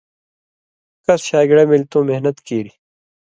کس شاگِڑہ ملیۡ تُوں محنت کیریۡ